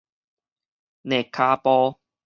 躡跤步